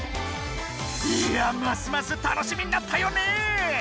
いやますます楽しみになったよね！